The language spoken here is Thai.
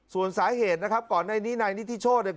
ส่วนสาเหตุนะครับก่อนหน้านี้นายนิทิโชธเนี่ย